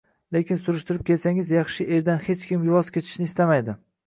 Lekin surishtirib kelsangiz, yaxshi erdan hech kim voz kechishni istamaydi